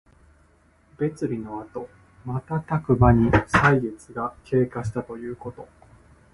別離のあとまたたくまに歳月が経過したということ。